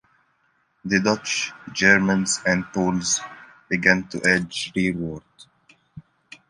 The Dutch, Germans and Poles began to edge rearward.